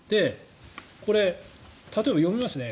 これ、例えば読みますね。